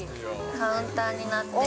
カウンターになってる。